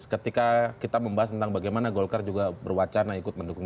ketika kita membahas tentang bagaimana golkar juga berwacana ikut mendukung